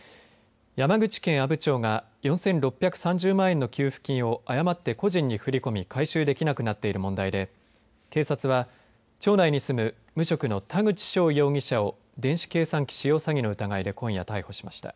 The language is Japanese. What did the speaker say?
山口県阿武町が４６３０万円の給付金を誤って個人に振り込み回収できなくなっている問題で警察は町内に住む無職の田口翔容疑者を電子計算機使用詐欺の疑いで今夜、逮捕しました。